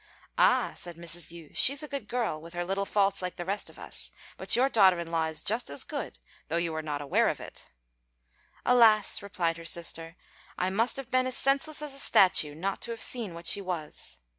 "Ah," said Mrs. Yü, "she's a good girl, with her little faults like the rest of us; but your daughter in law is just as good, though you are not aware of it." "Alas!" replied her sister, "I must have been as senseless as a statue not to have seen what she was."